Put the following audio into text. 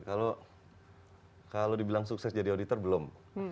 kalau dibilang sukses jadi auditor belum